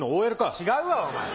違うわお前！